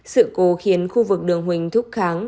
sự cố khiến khu vực đường huỳnh thúc kháng